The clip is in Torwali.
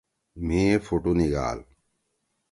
مھی پُھوٹُو نِگھال۔